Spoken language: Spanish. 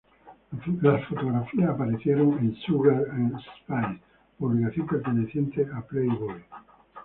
Las fotografías aparecieron en "Sugar 'n' Spice", publicación perteneciente a Playboy.